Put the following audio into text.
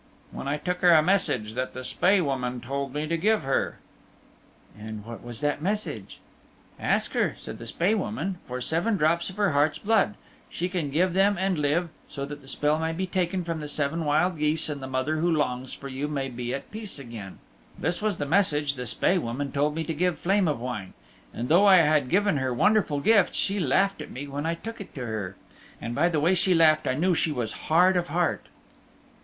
"When I took her a message that the Spae Woman told me to give her." "And what was that message?" "'Ask her,' said the Spae Woman, 'for seven drops of her heart's blood she can give them and live so that the spell may be taken from the seven wild geese and the mother who longs for you may be at peace again.' This was the message the Spae Woman told me to give Flame of Wine. And though I had given her wonderful gifts she laughed at me when I took it to her. And by the way she laughed I knew she was hard of heart."